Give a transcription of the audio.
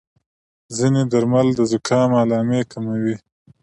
ځینې درمل د زکام علامې کموي.